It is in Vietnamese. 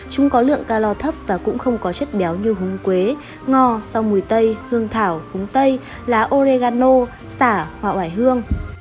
chúng có lượng calor thấp và cũng không có chất béo như húng quế ngò rau mùi tây hương thảo húng tây lá oregano sả hoặc hoài hương